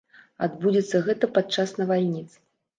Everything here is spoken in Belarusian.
Адбудзецца гэта падчас навальніц.